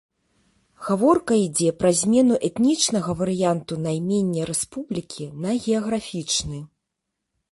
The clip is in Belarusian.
Гаворка ідзе пра змену этнічнага варыянту наймення рэспублікі на геаграфічны.